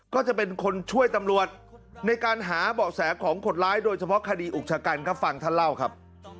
ก็จะเป็นคนช่วยตำรวจในการหาเบาะแสของคนร้ายโดยเฉพาะคดีอุกชะกันครับฟังท่านเล่าครับ